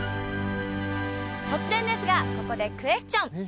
突然ですがここでクエスチョン！